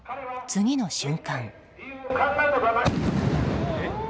次の瞬間。